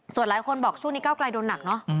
ส่วนหลายคนบอกช่วงนี้เก้าไกลโดนหนักเนอะ